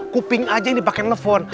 kuping aja yang dipake nelfon